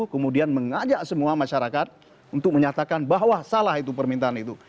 kemudian mengajak semua masyarakat untuk menyatakan bahwa salah itu permintaan itu